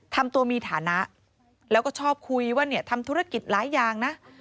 ทำตัวมีฐานะแล้วก็ชอบคุยว่าเนี่ยทำธุรกิจหลายอย่างนะ